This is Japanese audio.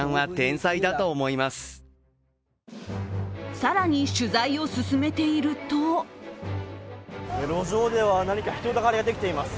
更に、取材を進めていると路上では何か人だかりができています。